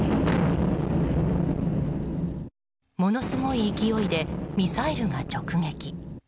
ものすごい勢いでミサイルが直撃。